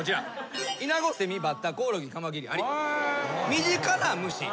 身近な虫。